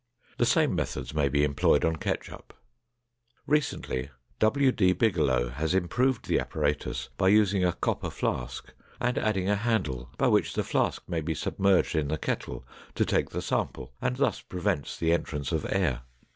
The same methods may be employed on ketchup. Recently, W. D. Bigelow has improved the apparatus by using a copper flask and adding a handle by which the flask may be submerged in the kettle to take the sample and thus prevents the entrance of air.